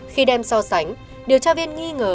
khi đem so sánh điều tra viên nghi ngờ